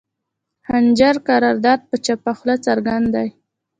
خنجر کردار پۀ چپه خله څرګند دے